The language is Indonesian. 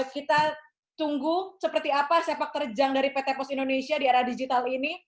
kita tunggu seperti apa sepak terjang dari pt pos indonesia di era digital ini